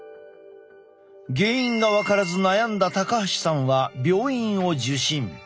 原因が分からず悩んだ高橋さんは病院を受診。